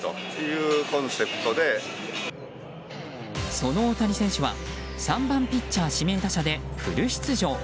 その大谷選手は３番ピッチャー指名打者でフル出場。